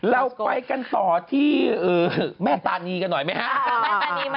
เราไปกันต่อที่แม่ตานีกันหน่อยไหมครับ